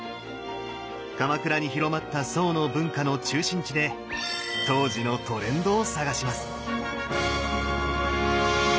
鎌倉に広まった宋の文化の中心地で当時のトレンドを探します！